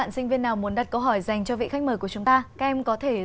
xin mời em